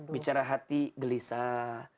bicara hati gelisah